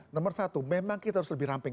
nomor satu memang kita harus lebih ramping